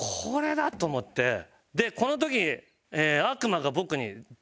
でこの時。